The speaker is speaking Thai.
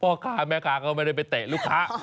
พ่อค้าแม่ค้าก็ไม่ได้ไปเตะลูกค้า